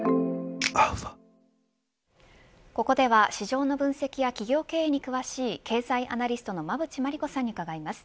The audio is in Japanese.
ここでは、市場の分析や企業経営に詳しい経済アナリストの馬渕磨理子さんに伺います。